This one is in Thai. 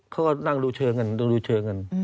เขาก็นั่งดูเชิงกันดูเชิงกัน